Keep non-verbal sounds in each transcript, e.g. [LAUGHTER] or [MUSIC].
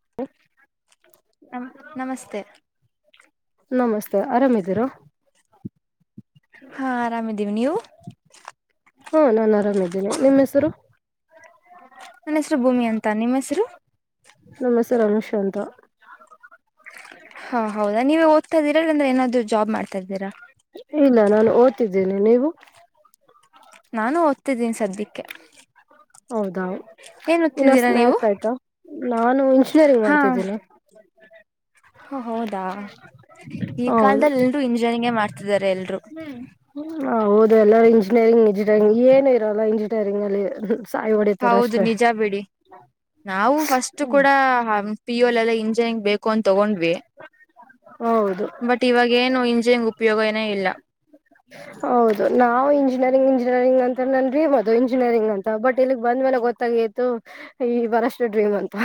ಹ [UNINTELLIGIBLE] ನಮ ನಮಸ್ತೆ. ನಮಸ್ತೆ ಆರಾಮಿದ್ದೀರ. ಹಾ ಆರಾಮಿದ್ದೀವಿ ನೀವು. ಹಾ ನಾನ್ ಆರಾಮಿದ್ದೇನೆ ನಿಮ್ಮ್ ಹೆಸರು. ನನ್ನ ಹೆಸರು ಭೂಮಿ ಅಂತ ನಿಮ್ಮ ಹೆಸರು ನನ್ ಹೆಸರು ಅಮಿಷಾ ಅಂತ. ಹಾ ಹೌದಾ ನೀವೇ ಓದ್ತಾ ಇದೀರ ಇಲ್ಲಾಂದ್ರೆ ಏನಾದ್ರು ಜಾಬ್ ಮಾಡ್ತಾ ಇದ್ದೀರಾ ಇಲ್ಲ ನಾನು ಓದ್ತಿದ್ದೀನಿ ನೀವು. ನಾನು ಓದ್ತಿದ್ದೀನಿ ಸದ್ಯಕ್ಕೆ. ಹೌದಾ. ಏನ್ ಇನ್ನೊ ಓದ್ತಿದ್ದೀರಾ ನೀವು ಸ್ನ್ಯಕ್ಸ್ ಆಯ್ತು ನಾನು ಇಂಜಿನಿಯರಿಂಗ್ ಮಾಡ್ತಿದ್ದೀನಿ. ಹ ಹೌದಾ. ಈ ಹೌದು ಕಾಲದಲ್ಲಿ ಎಲ್ರೂ ಇಂಜಿನಿಯರಿಂಗೇ ಮಾಡ್ತಿದಿದ್ದಾರೆ ಎಲ್ಲಾರು. ಹ ಹೌದು ಎಲ್ಲರೂ ಇಂಜಿನಿಯರಿಂಗ್ ಇಂಜಿನಿಯರಿಂಗ್ ಏನ ಇರೋಲ್ಲ ಇಂಜಿನಿಯರಿಂಗ್ ಅಲ್ಲಿ. ಸಾಯಿ ಹೊಡಿತಾರ ಹೌದು ಅಷ್ಟೇ ನಿಜ ಬಿಡಿ ನಾವು ಫಸ್ಟ್ ಕೂಡ. ಪಿುಲ್ ಅಲ್ಲ ಇಂಜನ್ ಬೇಕು ಅನ್ ತೊಗೊಂಡ್ವಿ. ಹೌದು ಬಟ್ ಇವಾಗೇನು ಇಂಜಿನ್ ಉಪಯೋಗನೇ ಇಲ್ಲ. ಹೌದು ನಾವು ಇಂಜಿನಿಯರಿಂಗ್ ಇ. ಇಂಜಿನಿಯಂಗ್ ಅಂತ ನನ್ ಡ್ರೀಮ್ ಅದು ಇಂಜಿನಿಯರಿಂಗ್ ಅಂತ ಬಟ್ ಇಲ್ಲಿಗ್ ಬಂದ್ ಮೇಲೆ ಗೊತ್ತಾಗಿತ್ತು ಈ ಬರಷ್ಟ ಡ್ರೀಮ್. ಹಂತ.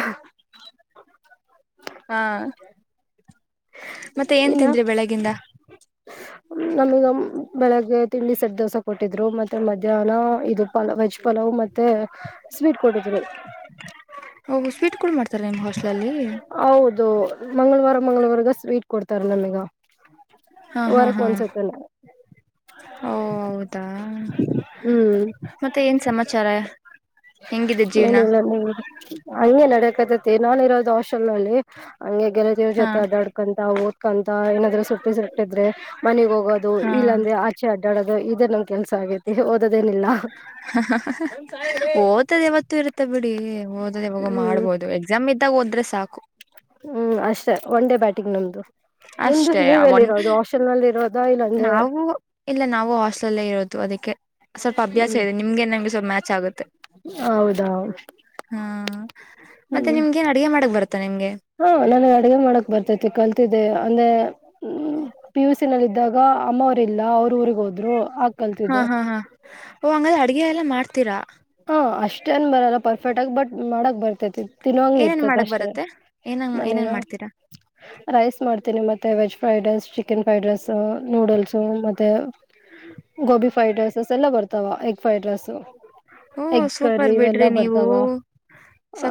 ಹಾ ಮತ್ತೆ ಏನ್ ಇನ್ನ ತಿಂದ್ರಿ ಬೆಳಗ್ಗಿಂದ. ನಮಗ ಬೆಳಗ್ಗೆ ತಿಂಡಿ ಸಡ್ ದೋಸ ಕೊಟ್ಟ. ್ರು ಮತ್ತೆ ಮಧ್ಯಾಹ್ನ ಇದು ಪಲ ವೆಜ್ ಪಲಾವ್ ಮ. ಮತ್ತೆ ಸ್ವೀಟ್ ಕೊಟ್ಟಿದ್ರು. ಓ ಸ್ವೀಟ್ ಕೂಡ ಮಾಡ್ತಾರೆ ನಿಮ್ ಹಾಸ್ಟ್ಲಲ್ಲಿ ಹೌದು ಮಂಗಳವಾರ. ಚ ಮಂಗಗಳೂವರ್ಗ ಸ್ವೀಟ್ ಕೊಡ್ತಾರ ನಮಗ ಹಾ ಹಾ ವರಕ್ ಹಾ ಒಂದ್ಸತ್ತ. ಓ ಹೌದಾ ಹ್ಮ್ ಮತ್ತೆ ಏನ್ ಸಮಾಚಾರ. ಹೆಂಗಿದೆ ಜೀವನ ಏನಿಲ್ಲ ನೀ ಹಂಗೆ ನಡಕ್ತತಿ ನಾನಿರೋದು ಹಾಸೆಲ್ ನಲ್ಲಿ. ಹಂಗೆ ಗೆಳತಿರು ಹಾ ಜೊತೆ ಅಡ್ಡಾಡ್ಕೊಂತ ಓದ್ಕೊಂತ ಏನಾದ್ೂ ಸುಟ್ಟಿ ಸುಟ್ಟಿದ್ರೆ ಮನಗ್ ಹೋಗೋದು. ಹಾ ಇಲ್ಲ ಅಂದ್ರೆ ಆಚೆ ಅಡ್ಡೋದು ಇದೇ ನಮ್ ಕೆಲಸ ಆಗೈತಿ ಹ. ಓ್ತದೆ ಯಾವತ್ತುೂ ಇರುತ್ತೆ ಬಿಡಿ. ಓದದೆ ಇವಾಗ ಹ್ಮ್ ಮಾಡ್ಬೋದು ಎಕ್ಸಾಮ್ ಇದ್ದಾಗ ಹೋದ್ರೆ ಸಾಕು. ಹ್ಮ್ ಅಷ್ಟೇ ಒನ್ ಡೇ ಬ್ಯಾಟಿಂಗ್ ನಮ್ದು. ನಿಮ್ದು ಅಷ್ಟೆ ಒ ನೀವೆಲ್ಲಿರೋದು ಹಾಸ್ಟೆಲ್ ನಲ್ಲಿ ಇರೋದಾ ಇಲ್ಲಾಂದ್ರೆ ನಾವು ಇಲ್ಲ ನಾವು ಹಾಸ್ಲಲ್ಲೇ ಇರೋದು. ಅದಕ್ಕೆ ಸ್ವಲ್ಪ ಅಭ್ಯಾಸ ಹ್ಮ್ ಇದೆ ನಿಮ್ಗೆ ನಂಗೆ ಸ್ವಲ್ಪ ಮ್ಯಾಚ್ ಆಗುತ್ತೆ. ಹೌದಾ ಹಾ ಮತ್ತೆ ಹ್ಮ್ ನಿಮ್ಗೆ ನ್ ಅಡಗೆ ಮಾಡಕ್ ಬರುತ್ತ. ಹಾ ನನ ಅಡಗೆ ಮಾಡಕ್ ಬರ್ತೇತಿ ಕಲ್ತಿದ್ದೆ ಅಂದ್ರೆ್ಮ ಪಿ ಯುಸ ನಲ್ಲಿ. ಇದಾಗ ಅಮ್ಮವ್ರ ಇಲ್ಲ ಅವ್ರರು ಊರಿಗೆಗ್ ಹೋದ್ರು. ಹಾ ಕಲ್ತಿದ್ದೆ ಹಾ ಹಾ ಹ ಹಂಗಾದ ಅಡ್ಗೆ ಎಲ್ಲ ಮಾಡ್ತೀರಾ. ಹಾ ಅಷ್ಟೇನ್ ಬರಲ್ಲ ಪರ್ಫೆಕ್ಟ್ ಆಗ ಬಟ್ ಮಾಡಕ್ ಬರ್ತೇತಿ ತಿನ್ವಂಗ ಏನೇನ್ ಇರ್ತೇತಿ ಮಾಡಕ್ ಅಷ್ಟೇ. ಬರತ್ತೆ ಏನಂಗ ನಾನೇ ಏನೇನ್ ಮಾಡ್ತೀರಾ ರೈಸ್ ಮಾಡ್ತೀನಿ ಮತ್ತೆ veg. Fried rice chicken fried rice noodles ಮತ್ತೆ. ಗೋಬಿ ಫ್ರೈಡ್ ರೈಸಸ್ ಎಲ್ಲ ಬರ್ತಾವ ಎಗ್ ಫ್ರೈಡ್ ರೈಸ್. ಹಓ ಸೂಪರ್ ಬಿಡ್ರಿ ನೀವು.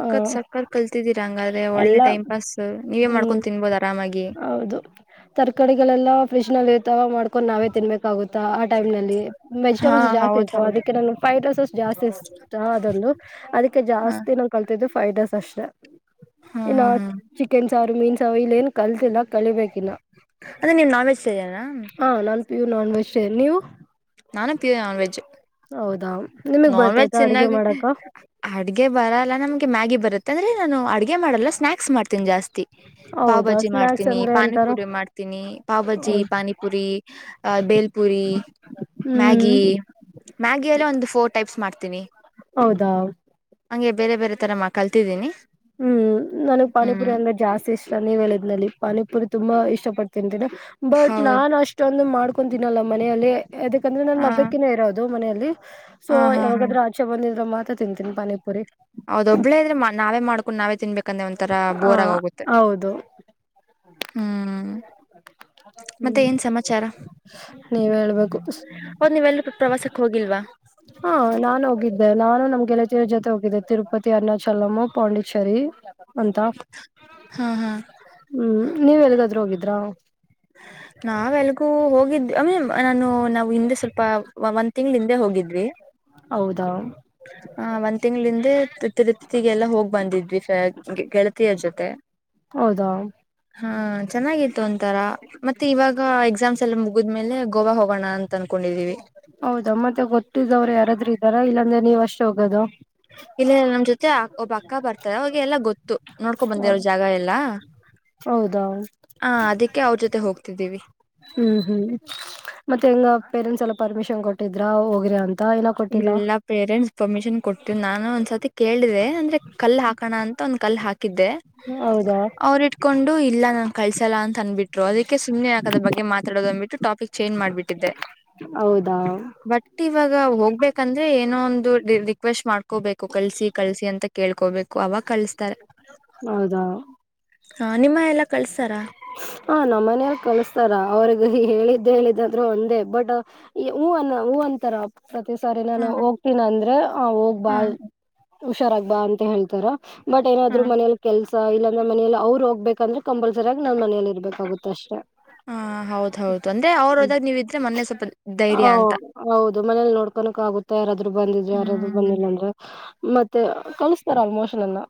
ಆ ಸತ್ ಕಲ್ತಿದೀರಾ ಹಂಗಾದ್ರೆ ಒಳ್ಳೆ ಎಲ್ಲಾ ಟೈಮ್ ಪಾಸ್ ನೀವೇ ಹ್ಮ್ ಮಾಡ್ಕೊಂಡ್ ತಿನ್ಬೋದಾರ. ಹೌದು ತರ್ಕಡಿಗಳೆಲ್ಲಾ ಫ್ರಿಜ್ ನಲ್ಲಿ ಇರ್ತಾವ ಮಾಡ್ಕೊಂಡ್ ನಾವೇ ತಿನ್ಬೇಕಾಗುತ್ತೆ. ಆ ಟೈಮ್ ನಲ್ಲಿ ಹಾ ವೆಜಿಟೇಬಲ್ಸ್ ಜಾಸ್ತಿ ಹೌದ್ ಇರ್ತಾವ ಹೌದು ಅದಕ್ಕೆ ನಾನ ಫೈೋಸಸ್ ಜಾಸ್ತಿ ಇತ ಅದೊಂದು. ಅದಕ್ಕೆ ಹ. ಜಾಸ್ತಿ ನಾ ಕಲ್ತಿದ್ದೆ. ಫೈಡರ್ಸ್ ಅಷ್ಟೆ ಹಾ ಹಾ ಇನ್ನು ಹಾ ಚಿಕನ್ ಸಾವ ಮೀನ್ ಸವು ಇಲ್ಲ ಏನ್ ಕಲ್ತಿಲ್ಲ. ಕಲಿಬೇಕಿಲ್ಲ ಅಂದ್ರೆ ನೀವ್ ನಾನ್ ವೆಜ್ ತಿನ್ನಲ್ಲ ಹ ನಾನ್ ಪಿಯೂ ನಾನ್ [UNINTELLIGIBLE] ನೀವು ನಾನು ತಿನ ನಾನ್ವೆೆಜ್ ಹೌದಾ ನಿಮಗ್ ನಾನ್ ವೆಜ್ ಬರ್ತೈತಾ ಅಡಿಗೆ ಚೆನ್ನಾಗಿ ಮಾಡಕ ಅಡ್ಗೆ ಬರಲ್ಲ ನಮ್ಗೆ ಮ್ಯಾಗಿ ಬರುತ್ತ್ ತಂದ್ರೆ ನಾನು ಅಡ್ಗೆ ಮಾಡಲ್ಲ ಸ್ನಾಕ್ಸ್ ಮಾಡ್ತೀನಿ ಜಾಸ್ತಿ. ಪಾವ್ ಹೌದಾ ಭಾಜಿ ಸ್ನಾಕ್ಸ್ ಮಾಡ್ತೀನಿ ಅಂದ್ರೆ ಎಂತರ ಪಾನಿಪುರಿ ಮಾಡ್ತೀನಿ ಪಾವ್ಭಾಜಿ ಪಾನಿಪುರಿ ಬೇಲ್ಪುರಿ ಇ ಮ್ಯಾಗಿ ಹ್ಮ್ ಅಲ್ಲ ಒಂದು ಫೋರ್ ಟೈಪ್ಸ್ ಮಾಡ್ತೀನಿ. ಹೌದಾ ಹಂಗೆ ಬೇರೆ ಬೇರೆ ತರ ಮಾ ಕಲ್ತಿದ್ದೀನಿ. ಹ್ಮ್ ನನಗ್ ಪಾನಿಪುರಿ ಹ್ಮ್ ಅಂದ್ರೆ ಜಾಸ್ತಿ ಇಷ್ಟ ನೀವ್ ಏಳಿದ್ನಲ್ಲಿ. ಪಾನಿಪುರಿ ತುಂಬಾ ಇಷ್ಟ ಪಟ್ತಿಂತಿನಿ ಬಟ್ ಹೌದು ನಾನ್ ಅಷ್ಟೊಂದು ಮಾಡ್ಕೊಂತಿನ್ನಲ್ಲ ಮನೆಯಲ್ಲಿ ಯದಕಂದ್ರೆ ಹ ನಾನ ಒಬ್ಬಕ್ಕಿನೇ ಇರೋದು ಮನೆಯಲ್ಲಿ ಹ ಸೊ ಹಾ ಹಾ ಯಾವಾಗಾದ್ರೂ ಆಚೆ ಬಂದಿದ್ರ ಮಾ ತ ತಿಂತೀನ್ ಪಾನಿ ಪುರಿ. ಹೌದ ಒಬ್ಬಳೇ ಇದ್ರೆ ನಾವೇ ಮಾಡ್ಕೊಂಡು ನಾವೇ ತಿನ್ಬೇಕಂದೆ ಒಂಥರ ಹ ಬೋರ್ ಆಗ ಹೋಗುತ್ತೆ. ಹೌದು ಹ್ಮ್ ಮತ್ತೆ ಹ್ಮ್ ಏನ್ ಸಮಾಚಾರ. ನೀವ್ ಹೇಳ್ಬೇಕು ಹದ ನೀವೆಲ್ಲು ಪ್ರವಾಸಕ್ಕೆ ಹೋಗಿಲ್ವಾ. ಹಾ ನಾನು ಹೋಗಿದ್ದೆ ನಾನು ನಮ್ ಗೆಳತರ ಜೊತೆ ಹೋಗಿದ್ದೆ ತಿರುಪತಿ ಅರುಣಾಚಲಂ ಪಾಂಡಿಚೇರಿ. ಅಂತ ಹಾ ಹಾ ಹ್ಮ್ ನೀವ್ ಎಲ್ಗಾದ್ರೂ ಹೋಗಿದ್ರ. ನಾವೆಲ್ಗೂ ಹೋಗಿದ್ವಿ ನಾನು ನಾವು ಹಿಂದೆ ಸ್ವಲ್ಪ ಒಂದ್ ತಿಂಗ್ಳ ಹಿಂದೆ ಹೋಗಿದ್ವಿ. ಹೌದಾ ಹ ಒಂದ್ ತಿಂಗಳ ಹಿಂದೆ ತಿ ತಿರು ತಿಗೆಲ್ಲ ಹೋಗ್ ಬಂದಿದ್ವಿ ಫೆ ಗೆಳತಿಯರ ಜೊತೆ. ಹೌದಾ ಹಾ ಚೆನ್ನಾಗಿತ್ತು ಒಂತರಾ ಮತ್ತೆ ಇವಾಗ ಎಕ್ಸಾಮ್ಸ್ ಎಲ್ಲ ಮುಗಿದ್ಮೇಲೆ ಗೋವಾ ಹೋಗೋಣ ಅಂತ ಅನ್ಕೊಂಡಿದೀವಿ ಹೌದಾ ಮತ್ತೆ ಗೊತ್ತಿದ್ದವರು ಯಾರಾದ್ರೂ ಇದ್ದಾರ ಇಲ್ಲಾಂದ್ರೆ ನೀವ್ ಅಷ್ಟೇ ಹೋಗೋದು. ಇಲ್ಲಿ ನಮ್ ಜೊತೆ ಒಬ್ಬ ಅಕ್ಕ ಬರ್ತಾರೆ ಅವಾಗ ಎಲ್ಲಾ ಗೊತ್ತ ತು ನೋಡ್ಕೊಂಬಂದೆ ಅವರ ಜಾಗ ಎಲ್ಲ. ಹೌದಾ ಹಾ ಅದಿಕ್ಕೆ ಅವ್ರ ಜೊತೆ ಹೋಗ್ತಿದ್ದೀವಿ. ಹ್ಮ್ ಹ್ಮ್ ಮತ್ತೆ ಹೆಂಗ ಪೇರೆಂಟ್ಸ್ ಎಲ್ಲ ಪರ್ಮಿಷನ್ ಕೊಟ್ಟಿದ್ರ ಹೋಗ್ರಿ ಅಂತ ಏನ ಕೊಟ್ಟಿಲ್ಲ ಇಲ್ಲ ಪೇರೆಂಟ್ಸ್ ಪರ್ಮಿಷನ್ ಕೊಟ್ಟಲ್ಲಾ ನಾನ್ ಒಂದ್ಸತಿ ಕೇಳಿದೆೆ ಅಂದ್ರೆ ಕಲ್ ಹಾಕಣ ಅಂತ ಒಂದ ಕಲ್ ಹಾಕಿ ಕಿದ್ದೆ ಹೌದಾ ಅವರು ಇಟ್ಕೊಂಡು ಇಲ್ಲ ನನ್ ಕಳ್ಸಲ್ಲ ಅಂತ ಅನ್ಬಿಟ್ರು ಅದಕ್ಕೆ ಸುಮ್ನೆ ಯಾಕದರ ಬಗ್ಗೆ ಮಾತಾಡೋದಂದ್ಬಿಟ್ಟು ಟಾಪಿಕ್ ಚೇಂಜ್ ಮಾಡಿಟ್ಟಿದ್ದೆ. ಹೌದು ಬಟ್ಟ ಇವಾಗ ಹೋಗ ಅಂದ್ರೆ ಏನೋ ಒಂದು ರಿ ರಿಕ್ವೆಸ್ಟ್ ಮಾಡ್ಕೋಬೇಕು ಕಲ್ಸಿ ಕಳ್ಸಿ ಅಂತ ಕೇಳ್ಕೋಬೇಕು ಅವಾಗ ಕಳಸ್ತಾರೆ. ಹೌದಾ ಹಾ ನಿಮ್ಮ ಎಲ್ಲ ಕಳ್ಸ್ತಾರ ಹ ನಮ್ಮನೆಯಾರ ಕಳಸ್ತಾರ ಅವ್ರಿಗೆ ಹೆ ಹೇಳಿದ್ದೆ ಹೇಳಿದ್ದಾದ್ರೂ ಒಂದೇ ಬಟ್ ಹೂನ್ನ ಹೂ ಅಂತ ತರ ಪ್ರತಿ ಸಾರಿ ನಾನು ಹ್ಮ್ ಹೋಗ್ತೀನ ಅಂದ್ರೆ ಆ ಹೋಗ್ಬಾ ಹ್ಮ್ ಹುಷಾರಾಗ್ಬಾ ಅಂತ ಹೇಳ್ತಾರೆ. ಬಟ್ ಏನಾದ್ರು ಹ್ಮ್ ಮನೇಲಿ ಕೆಲ್ಸ ಇಲ್ಲಾಂದ್ರೆ ಮನೆಯಲ್ಲಿ ಅವ್ರು ಹೋಗ್ಬೇಕಂದ್ರೆ ಕಂಪಲ್ಸರಿಯಾಗಿ ನಾನ್ ಮನೆಲಿ ಇರ್ಬೇಕಾಗುತ್ತೆ ಅಷ್ಟೆ. ಹಾ ಹೌದ ಹೌದು ಅಂದೆ ಅವ್ರ ಹೋದಾಗ ನೀವಿದ್ರೆ ಮನೇ ಸ್ವಲ್ಪ ಧೈರ್ಯ ಅಂತ. ಆಗುತ್ತ ಯಾರಾದ್ರು ಬಂದಿದ್ರ ಯಾರಾದ್ರು ಹ್ಮ್ ಬಂದಿಲ್ಲ ಅಂದ್ರೆ ಮತ್ತೆ ಕಳಸ್ತಾರ ಆಲ್ಮೋಸ್ಟ್ ರಲ್ಲ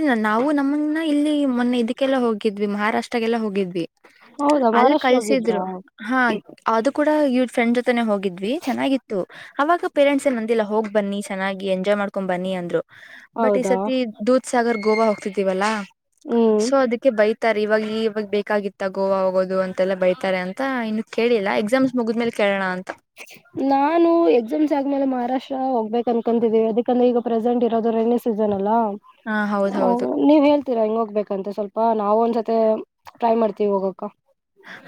ಇ ನಾವು ನಮ್ಮನ್ನ ಇಲ್ಲಿ ಮೊನ್ನೆ ಇದಕ್ಕೆಲ್ಲ ಹೋಗಿದ್ವಿ ಮಹಾರಾಷ್ಟ್ರಾಗೆಲ್ಲ ಹೋಗಿದ್ವಿ. ಹೌದಾ ಅಲ್ಲಿ ಮಹಾರಾಷ್ಟ್ರ ಹೋಗಿದ್ರಾ ಕಲ್ಸಿದ್ರು ಹಾ ಅದು ಕೂಡ ಇವ್ರ್ ಫ್ರೆಂಡ್ ಜೊತೆ ತೆನೆ ಹೋಗಿದ್ವಿ ಚೆನ್ನಾಗಿತ್ತು. ಅವಾಗ ಪೇರೆಂಟ್ಸ್ ಎನ್ ನಂದಿಲ್ಲ ಹೋಗ್ ಬನ್ನಿ ಚೆನ್ನಾಗಿ ಎಂಜಾಯ್ ಮಾಡ್ಕೊಂಡ್ ಬನ್ನಿ ಅಂದ್ರು. ಬಟ್ ಈ ಹೌದಾ ಸತಿ ದೂದ್ ಸಾಗರ್ ಗೋವಾ ಹೋಗ್ತಿದೀವಲ್ಲಾ ಹ್ಮ್ ಸೊ ಅದಕ್ಕೆ ಬೈ ತ್ತರ್ ಇವಾಗ ಇವಾಗ ಬೇಕಾಗಿತ್ತ ಗೋವಾ ಹೋಗೋದು ಅಂತೆಲ್ಲ ಬೈತಾರೆ ಅಂತ ಇನ್ನು ಕೇಳಿಲ್ಲ ಎಕ್ಸಾಮ್ಸ್ ಮುಗಿದ್ಮೇಲೆ ಕೇಳೋಣ ಅಂತ ನಾನು ಎಕ್ಸಾಮ್ಸ್ ಆದ್ಮೇಲೆ ಮಹಾರಾಷ್ಟ್ರ ಹೋಗ್ಬೇಕು ಅನ್ಕಂತಿದೀವಿ ಅದಕಂದ್ರೆ ಈಗ ಪ್ರೆಸೆಂಟ್ ಇರೋದು ರೈನಿ ಸೀಸನ್ ಅಲ್ಲ ಹ ಹೌದ್ ಹೌದು ನೀವ್ ಹೇಳ್ತೀರಾ ಬಂತ ಸ್ವಲ್ಪ ನಾವ ಒಂದ್ಸ ಟ್ರೈ ಮಾಡ್ತೀವಿ ಹೋಗಕ್ಕ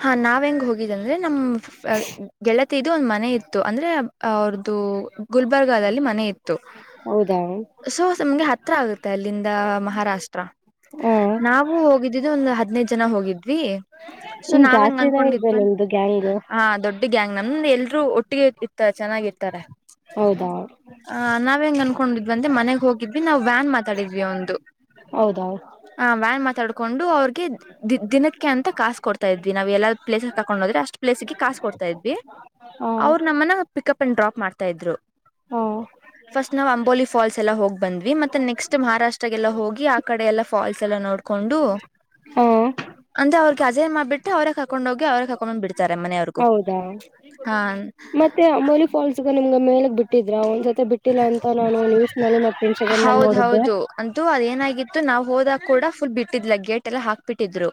ಹಾ ನಾವ ಹೆಂಗ್ ಹೋಗಿದ್ದ ಅಂದ್ರೆ ನಮ ಗೆಳತ್ ಇದು ಒಂದು್ ಮನೆ ಇತ್ತು ಅಂದ್ರೆ ಅವ್ರದ್ದು ಗುಲ್ಬರ್ಗಲ್ಲಿ ಮನೆ ಇತ್ತು ಹೌದಾ ಸೊ ನಮ್ಗೆ ಹತ್ರ ಆಗುತ್ತೆ ಅಲ್ಲಿ ಲ್ಲಿಂದ ಮಹಾರಾಷ್ಟ್ರ ಹ ನಾವು ಹೋಗಿದ್ದಿದ್ದು ಒಂದು ಹದ್ಿನೈದು ಜನ ಹೋಗಿದ್ದು ಸೊ ಹ್ಮ ನಾವ ಹೆಂಗ್ ಜಾಸ್ತಿನ ಇದೆ ಅನ್ಕೊಂಡಿದ್ವಿ ನಿಮ್ದು ಗ್ಯಾಂಗ್ ಹ ದೊಡ್ಡ ಒಟ್ಟ್ಯಾಂಗ್ ನಮ್ದ ಎಲ್ರರು ಒಟ್ಟಿಗೆ ಇತ ಚೆನ್ನಾಗಿ ಇರ್ತಾರೆ ಹೌದಾ ಆ ನಾವ್ ಹೆಂಗ್ ಅನ್ಕೊಂಡಿದ್ವಂದೆ ಮನೆಗ್ ಹೋಗಿದ್ವಿ ನಾವ್ ವ್ಯಾನ್ ಮಾತಾಡಿದ್ವಿ ಒಂದು ಹೌದಾ ಹ ವ್ಯಾನ್ ಮಾತಾಡ್ಕೊಂಡು ಅವ್ರಿಗೆ ದ ದಿನಕ್ಕೆ ಅಂತ ಕಾಾಸು ಕೊಡ್ತ ಾ ಇದ್ವಿ ನಾವವು ಎಲ್ಲಾ ಪ್ಲೇಸ್ ಕಕೊಂಡ್ೋದ್ರೆ ಅಷ್ಟ್ ಪ್ಲೇಸ್ಗೆ ಕಾಸ್ ಕೊಡ್ತಾ ಇದ್ವಿ ಹ ಅವ್ ನಮ್ಮನ ಪಿಕಪ್ ಅಂಡ್ ಡ್ರಾಪ್ ಮಾಡ್ತಾ ಇದ್ರು ಹ ಫಸ್ಟ್ ನಾವು ಅಂಬೋಲಿ ಫಾಲ್ಸ್ ಎಲ್ಲ ಹೋಗಿ ಬಂದ್ವಿ ಮತ್ತೆ ನೆಕ್ಸ್ಟ್ ಮಹಾರಾಷ್ಟ್ರ ಎಲ್ಲ ಹೋಗಿ ಆ ಕಡೆ ಎಲ್ಲ ಫಾಲ್ಸ್ಲ್ ನೋಡ್ ಕೊಂಡು ಹ ಅಂದ್ರೆ ಅವ್ರಗೆ ಅಜಯ ಮಾಡಬಿಟ್ಟ ಮತ್ತೆ ಅವ್ರೇ ಕಾಕೊಂಡ್ ಹೋಗಿ ಅವ್ರ ಕಾಕೊಂಡ್ ಬಿಡ್ತಾರೆ ಮನೆಯವ್ರಿಗು ಹೌದಾ ಮತ್ತೆ ಅಂಬೋಲಿ ಫಾಲ್ಸ್ಗ ನಿಮ್ಗ ಮೇಲಗ್ ಬಿಟ್ಟಿದ್ರ ಒಂದ್ಸಲ್ ಮತ್ತೆ ಬಿಟ್ಟಿಲ್ಲ ಅಂತ ನಾನು ನ್ಯೂಸ್ ನಲ್ಲಿ ಮತ್ತೆಂಚಗ ಹೌದ್ ನೋಡಿದ್ದೆ ಹೌದು ಅಂತೂ ಅದೇನಾಗಿತ್ತು ನಾವ್ ಹೋದಾಗ ಕೂಡ ಫುಲ್ ಬಿಟ್ಟಿದ್ಲ ಗೇಟ್ ಎಲ್ಲ ಹಾಕ್ಬಿಟ್ಟಿದ್ರು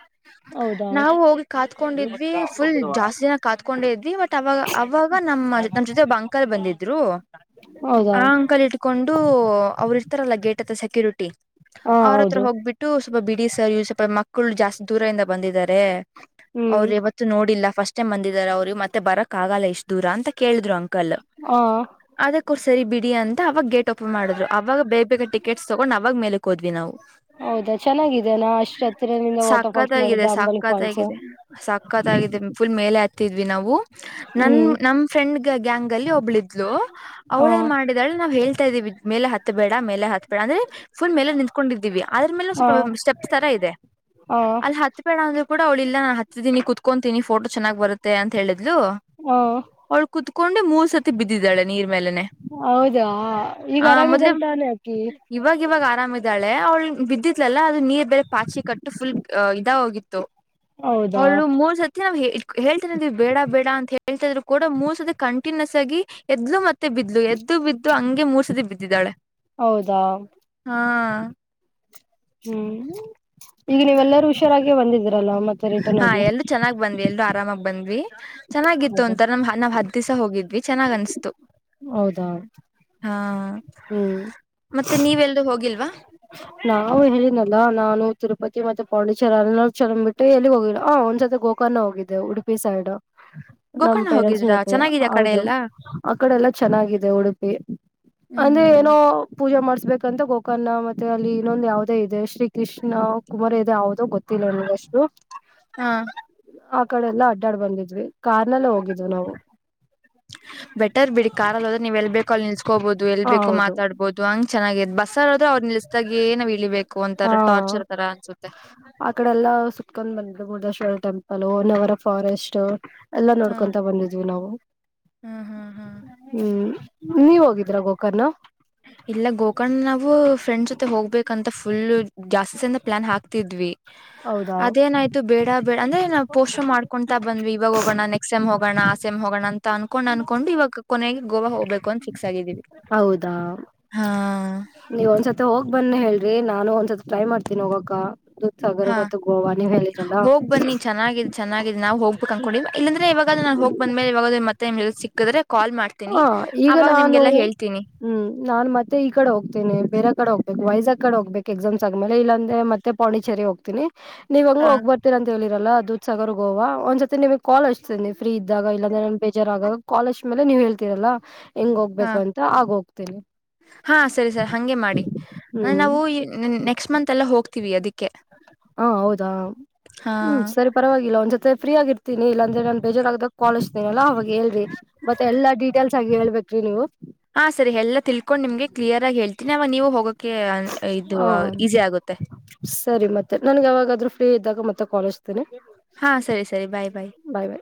ನಾವು ಹೋಗಿ ಕಾತ್ಕೊಂಡಿದ್ವಿ ಫುಲ್ ಜಾಸ್ತಿ ದಿನ ಕಾತ್ಕೊಂಡಿದ್ವಿ ಬಟ್ ಅವಾಗ ಅವಾಗ ನಮ್ಮ ನಮ್ಮ ಜೊತೆ ಒಬ್ಬ ಅಂಕಾ ಬಂದಿದ್ರು ಹೌದು ಆ ಅಂಕಲ್ ಇಟ್ಕೊಂಡು ಅವ್ರು ಇರ್ತಾರಲ್ಲ ಗೇಟ್ ಹತ್ತ ಸೆಕ್ಯೂರಿಟಿ ಹಾ ಅವ್ರತ್ರ ಹೌದು ಹೋಗ್ಬಿಟ್ಟು ಸ್ವಲ್ಪ ಬಿಡಿ ಸರ್ ಸ್ವಲ್ಪ ಮಕ್ಕಳು ಜಾಸ್ತಿ ದೂರದಿಂದ ಬಂದಿದ್ದಾರೆ ಹ್ಮ್ ಅವ್ರು ಯಾವತ್ತು ನೋಡಿಲ್ಲ ಫಸ್ಟ್ ಬಂದಿದಿದ್ದಾರೆ ಅವ್ರಿಗೆ ಮತ್ತೆ ಬರಕ್ ಆಗಲ್ಲ ಎಷ್ಟ್ ದೂರ ಅಂತ ಕೇಳಿದ್ರು ಅಂಕಲ್ ಹ ಅದರ್ ಬಿಡಿ ಅಂತ ಅವಾಗ ಗೆಟ್ ಮಾಡಿದ್ರು ಅವಾಗ ಬೇಗ ಬೇಗ ಟಿಕೆಟ್ಸ್ ತಗೊಂಡ್ ಅವಾಗ ಮೇಲೆಕ್ ಹೋದ್ವಿ ನಾವು ಹೌದಾ ಚೆನ್ನಾಗಿದೆನಾ ಅಷ್ಟ್ ಹತ್ತಿರದಿಂದ ವಾಟರ್ ಫಾಲ್ಸ್ ಸಕ್ಕತ್ಾಗಿದೆ ನೋಡಿದ್ದೆ ಅಂಬಲಿ ಫಾಲ್ಸ್ ಸಕ್ಕತ್ಗಾಗಿದೆ ಸಕ್ಕತ್ಗಿದೆ ಫುಲ್ ಮೇಲೆ ಹ ನಾವು ನನ್ ಹ್ಮ್ ನಮ್ ಫ್ರೆಂಡ್ ಗ್ಯಾಂಗ್ ಅಲ್ಲಿ ಒಬ್ಳಿದ್ಲು ಹ ಅವಳೇ ಮಾಡಿದಳೆ ನಾವವು ಹೇಳ್ತಾ ಇದ್ದೀವಿ ಮೇಲೆ ಹತ್ ಬೇಡ ಮೇಲೆ ಹತ್ ಬೇಡ ಅಂದ್ರೆ ಫುಲ್ ಮೇಲೆ ನಿಂತ್ಕೊಂಡಿದ್ದೀವಿ ಆದ್ರೆ ಹ ಸ್ಟ ಇದೆಲ್ಲಿ ಹ ಕೂಡ ಅವಳ ಇಲ್ಲಾನು ಹತ್ತೀನಿ ಕುತ್ಕೊತೀನಿ ಫೋಟ ಚೆನ್ನಾಗಿ ಬರುತ್ತೆ ಅಂತ ಹೇಳೆ ಲು ಹ ಅವಳು ಕುತ್ಕೊಂಡು ಮೂರ್ ಸತಿ ಬಿದ್ದಿದ್ದಾಳೆ ನೀರ್ ಮೇಲನೆ ಹೌದಾ ಈಗ ಆ ಮೊದ್ಲ ಆರಾಮಿದಲ್ ತಾನೆ ಅಕಿ ಇವಾಗ ಇವಾಗ ಆರಾಮ ಳೆ ಅವ್ಳ ಬಿದ್ದಿದ್ಲಲ್ಲಾ ಅದು ನೀರ್ ಬೇರೆ ಪಾಚಿ ಕಟ್ಟು ಫುಲ್ ಇದ ಹೋಗಿತ್ತು ಹೌದಾ ಹಳ್ಳು ಮೂರ್ ಸರ್ತಿ ನಾವ್ ಹೇಳ್ತೇನೆ ನೀವು ಬೇಡ ಬೇಡ ಅಂತ ಹೇಳಿ ಹೇಳ್ತಾ ಇದ್ರು ಕೂಡ ಮೂಸ ಅದ ಕಂಟಿನ್ಯೂಸ್ ಆಗಿ ಎದ್ಲು ಮತ್ತೆ ಬಿದ್ದ ಇ ಎದ್ದು ಬಿದ್ದು ಹಂಗೆ ಮೂರ್ ಸತಿ ಬಿದ್ದಾಳೆ ಹೌದಾ ಹ್ಮ್ ಈಗ ನೀವೆಲ್ಲರೂ ಹುಷಾರಾಗಿ ಬಂದಿದೀರಲ್ಲ ಮತ್ತೆ ರಿಟರ್ನ್ ಆಗಿ ಆರಾಮಾಗ ಬಂದ್ವಿ ಚೆನ್ನಾಗಿತ್ತು ಹೌದಾ ಅಂತ ನಮ್ ನಾವ್ ಹದ್ ದಿವಸ ಹೋಗಿದ್ವಿ ಚೆನ್ನ್ ಅನ್ಸ್ತು ಹೌದಾ ಹಾ ಹ್ಮ್ ಮತ್ತೆ ನೀವೆಲ್ ಹೋಗಿ ನಾವು ಹೇಳಿನಲ್ಲ ನಾನು ತಿರುಪತಿ ಮತ್ತ ಪಂಡೇಶ್ವರ ಅನ್ನ ಚಂದ್ ಬಿಟ್ಟು ಎಲ್ಲಿಗ್ ಹೋಗಿಲ್ಲ ಆ ಒಂದ್ಸರ್ ಗೋಕರ್ಣ ಹೋಗಿದ್ದಿದೆ ಉಡುಪಿ ಸೈಡ್ ಹ್ಮ್ ನಮ್ ಪೇರೆಂಟ್ಸ್ ಜೊತೆ ಹೌದು ಆ ಕಡೆ ಎಲ್ಲಾ ಚೆನ್ನಾಗಿದೆ ಉಡುಪಿ ಹ್ಮ್ ಅಂದ್ರೆ ಹ್ಮ್ ಏನೋ ಪೂಜಾ ಮಾಡ್ಸ ಬೇಕಂತ ಗೋಕರ್ಣ ಮತ್ತೆ ಅಲ್ಲಿ ಇನ್ನೊಂದು ಯಾವದೇ ಇದೆ ಶ್ರೀ ಕೃಷ್ಣ ಕುಮಾರ್ ಇದೆ ಯ ಗೊತ್ತಿಲ್ಲ ನನ್ಗೆ ಅಷ್ಟು ಹಾ ಆ ಕಡೆ ಎಲ್ಲ ಅಡ್ಡಾಡ್ ಬಂದಿದ್ವಿ ಕಾರ್ ನಲ್ಲ ಹೋಗಿದ್ವಿ ನಾವು ಬೆಟರ್ ಬಿಡಿ ಕಾರ್ ಅಲ್ಲದ್ರೆ ನೀವ್ ಎಲ್ ಬೇಕೋ ಅಲ್ಲಿ ನಿಲ್ಸ್ಕೋಬಹುದು ಎಲ್ ಹ ಬೇಕು ಹೌದು ಮಾತಾಡ್ಬೋದು ಹಂಗ ಚೆನ್ನಾಗ್ ಬಸ್ಸಾರೋ್ರೆ ಅವ್ರ ನಿಲ್ಲಿಸ್ದಾಗಿ ಏನಾವ್ ಇಳಿಬೇಕು ಹಾ ಒಂತರ ಟಾರ್ಚರ್ ತರ ಅನ್ಸುತ್ತೆ ಆ ಕಡೆ ಎಲ್ಲ ಸುತ್ಕೊಂಡ್ ಬಂದು ಮುರಡೆಶ್ವರ ಟೆಂಪಲ್ ಅಲೋ ನವರ ಫಾರೆಸ್ಟ್ ಎಲ್ಲ ಹಾ ನೋಡ್ಕೊಂತ ಬಂದಿದ್ವಿ ನಾವು ಹ್ಮ್ ಹ್ಮ್ ಹ್ಮ್ ಹ್ಮ್ ನೀವ್ ಹೋಗಿದೀರ ಗೋಕರ್ಣ ಇಲ್ಲ ಗೋಕರ್ಣ್ನ ನಾವು ಫ್ರೆಂಡ್ಸ್ ಜೊತೆ ಹೋಗ್ಬೇಕಂತ ಫುಲ್ ಜಾಸ್ತಿ ಸಂದ ಪ್ಲಾನ್ ಹಾಕ್ತಿದ್ವಿ ಅದೇನಾಯ್ುೇಡ ಬೇಡ ಅಂದ್ರೆ ನಾ ಪೋಷ ಮಾಡ್ಕೊಂತತ ಬಂದ್ ಇವಾಗ ಹೋಗೋಣ ನೆಕ್ಸ್ ಸಮ್ ಹೋಣ ಆ ಸಮ್ ಹೋಗೋಣ ಅಂತ ಅನ್ಕೊಂಡ್ ಅನ್ಕೊಂಡು ಇವಾಗ ಕೊನೆಗೆ ಗೋವಾ ಹೋಗ್ಬೇಕು ಅಂತ ಫಿಕ್ಸ್ ಆಗಿದೀವಿ ನೀವ ಒಂದ್ಸತ್ ಹೋಗ್ ಬನ್ನ ಹೇಳ್ರಿ ನಾನು ಒಂದ್ಸತ್ ಟ್ರೈ ಮಾಡ್ತೀನಿ ಹೋಗಕ್ಕ ಸಾಗರ ಹಾ ಮತ್ತು ಗೋವ ಹೋಗ್ ಬನ್ನಿ ಚನ್ನಾಗಿದ್ ಚೆನ್ನಾಗಿದ್ ನಾವ್ ಹೋಗ್ಬೇಕು ಅನ್ಕೊಂಡೀವಿ ಇಲ್ಲಾಂದ್ರೆ ಇವಾಗ ನಾನ್ ಹೋಗ್ ಬಂದ್ಮೇಲೆ ಇವಾಗತ್ತೆ ಮ ಸಿಕ್ಕಿದ್ರೆ ಕಾಲ್ ಮಾಡ್ತೀನಿ ಹಾ ಈಗ ಅವಾಗ ನಾನು ನಿಮ್ಗೆಲ್ಲಾ ಹೇಳ್ತೀನಿ ಹ್ಮ್ ನಾನ್ ಮತ್ತೆ ಈ ಕಡೆ ಹೋಗ್ತೇನೆ ಬೇರೆ ಕಡೆ ಹೋಗ್ಬೇಕು ವಯಸ್ ಕಡೆ ಹೋಗ್ಬೇಕು ಎಕ್ಸಾಮ್ಸ್ ಆ ಆದ್ಮೇಲೆ ಇಲ್ಲಂದೆ ಮತ್ತೆ ಪಂಡಿಚೆರಿ ಹೋಗ್ತೀನಿ ನೀವ ಹಂಗ ಹಾ ಹೋಗ್ ಬರ್ತೀರ ಅಂತ ಹೇಳಿ ಲ್ಲ ದೂ ಸಾಗರ್ ಗೋವಾ ಒಂದ್ ಸತಿ ನಿಮ್ ಕಾಲ್ಷ್ಟತ ಫ್ರೀ ಇದ್ದಾಗ ಇಲ್ಲಂದ್ರೆನ್ ಬೇಜರ್ ಆಗಾಗ ಕಾಷ್ಟ ಆಮೇಲೆ ನೀವ್ ಹೇಳ್ತೀರಲ್ಲಾ ಹೆಂಗ್ ಹಾ ಹೋಗ್ಬೇಕು ಅಂತ ಆಗ ಹೋಗತಿನಿ ಹಾ ಸರಿ ಸರ್ ಹಗೆ ಮಾಡಿ ಹ್ಮ್ ನಾವು ನೆಕ್ಸ್ಟ್ ಮಂತ್ ಎಲ್ಲ ಹೋಗ ವಿ ಅದಕ್ಕೆ ಹಾ ಹೌದಾ ಹಾ ಹ್ಮ್ ಸರಿ ಪರವಾಗಿಲ್ಲ ಒಂದ್ ಜೊತೆ ಫ್ರೀ ಆಗಿರ್ತ ತಿನನಿ ಇದ್ರೆ ನನ್ ಬೇಜಾರರ ಆದಾಗ ಕಾಲೇಜನಲ್ಲ ಅವಾಗ ಹೇಳಿ ಮತ್ತೆ ಎಲ್ಲಾ ಡೀಟೇಲ್ಸ್ ಆಗಿ ಹೇಳ್ಬೇಕ್ರಿ ನೀವು ನವ ನೀವು ಹೋಗಕ್ ಹ ಸರಿ ಮತ್ತೆ ನನ್ಗೆ ಯಾವಾಗಾದ್ರೂ ಫ್ರೀ ಇದ್ದಾಗ ಮತ್ತೆ ಕಾಲೇಜ್ ಹಾ ಸರಿ ಸರಿ ಬಾಯ್ ಬಾಯ್ ಬಾಯ್